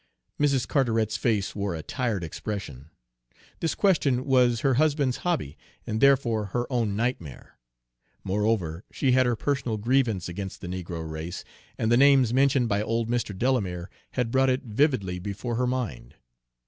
Mrs. Carteret's face wore a tired expression. This question was her husband's hobby, and therefore her own nightmare. Moreover, she had her personal grievance against the negro race, and the names mentioned by old Mr. Delamere had brought it vividly before her mind.